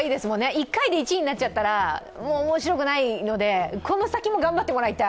１回で１位になっちゃったら面白くないのでこの先も頑張ってもらいたい。